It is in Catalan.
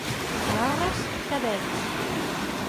A Arres, cadets.